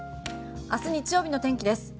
明日、日曜日の天気です。